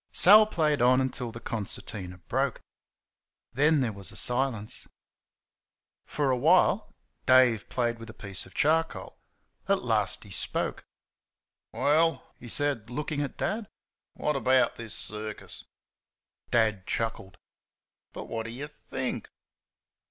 Sal played on until the concertina broke. Then there was a silence. For a while Dave played with a piece of charcoal. At last he spoke. "Well," he said, looking at Dad, "what about this circus?" Dad chuckled. "But what d' y' THINK?"